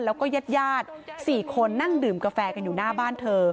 แล้วก็ญาติ๔คนนั่งดื่มกาแฟกันอยู่หน้าบ้านเธอ